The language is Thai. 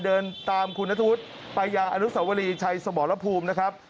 เดินตามคุณธุรกิจปัญญาอานุสวรีชัยสมรพูมนะครับ